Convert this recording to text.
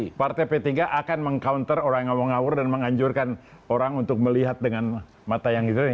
tapi partai p tiga akan meng counter orang yang ngawur ngawur dan menganjurkan orang untuk melihat dengan mata yang gitu